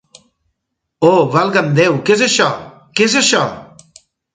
Oh, valga'm Déu, què és això? Què és això?